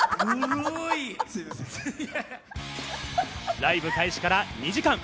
ライブ開始から２時間。